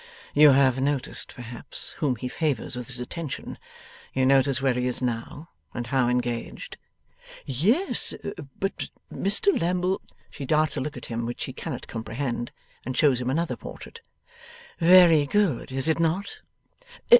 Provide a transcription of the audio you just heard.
'You have noticed, perhaps, whom he favours with his attentions? You notice where he is now, and how engaged?' 'Yes. But Mr Lammle ' She darts a look at him which he cannot comprehend, and shows him another portrait. 'Very good; is it not?